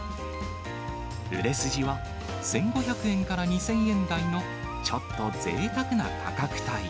売れ筋は１５００円から２０００円台のちょっとぜいたくな価格帯。